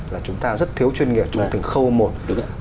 là chúng ta rất thiếu chuyên nghiệp trong từng khâu một